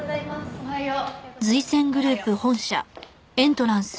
おはよう。